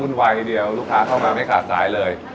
วัยเดียวลูกค้าเข้ามาไม่ขาดสายเลย